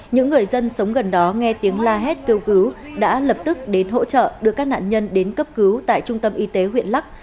những người dân sống gần đó nghe tiếng la hét kêu cứu đã lập tức đến hỗ trợ đưa các nạn nhân đến cấp cứu tại trung tâm y tế huyện lắc